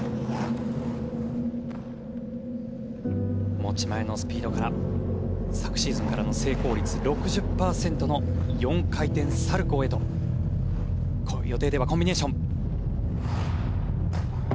持ち前のスピードから昨シーズンからの成功率６０％の４回転サルコウへと予定ではコンビネーション。